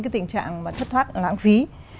cái tình trạng mà thất thoát lãng phí